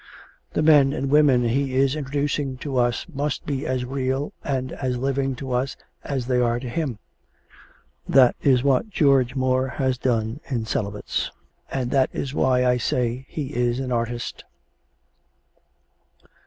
The men and women he is introducing to us must be as real and as living to us as they are to him. That is what George Moore has done in "Celibates" and that is why I say he is an artist.